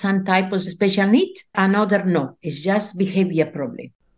yang lain tidak hanya keadaan masalah